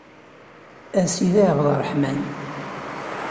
A Sidi Ɛebderreḥman.